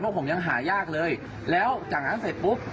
เพราะผมยังหายากเลยแล้วจากนั้นเสร็จปุ๊บ